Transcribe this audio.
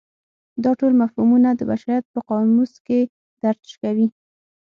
دا ټول مفهومونه د بشریت په قاموس کې درج کوي.